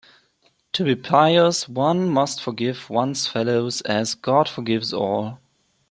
To be pious one must forgive one's fellows as God forgives all.